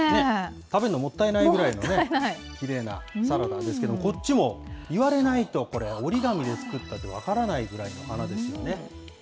食べるのもったいないぐらいのね、きれいなサラダですけど、こっちも言われないとこれ、折り紙で作ったって分からないぐらいの花ですよね。